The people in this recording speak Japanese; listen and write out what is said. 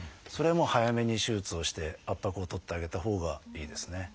それはもう早めに手術をして圧迫を取ってあげたほうがいいですね。